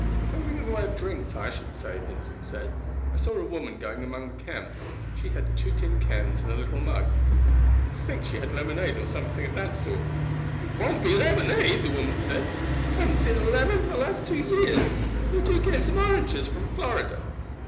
"Something in the way of drinks, I should say," Vincent said. "I saw a woman going among the camps. She had two tin cans and a little mug. I think she had lemonade or something of that sort." "It wouldn't be lemonade," the woman said "I haven't seen a lemon for the last two years; but they do get some oranges from Florida.